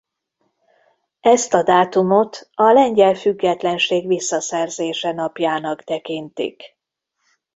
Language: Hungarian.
Ezt a dátumot a lengyel függetlenség visszaszerzése napjának tekintik.